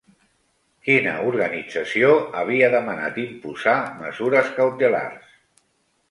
Quina organització havia demanat imposar mesures cautelars?